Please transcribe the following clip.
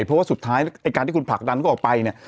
เพราะว่าสุดท้ายไอ้การที่คุณผลักดันเขาออกไปเนี่ย